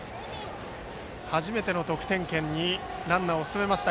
初めて得点圏にランナーを進めました